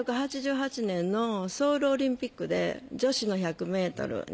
１９８８年のソウルオリンピックで女子の１００ｍ２００ｍ。